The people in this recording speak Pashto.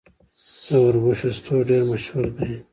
د وربشو سټو ډیر مشهور دی.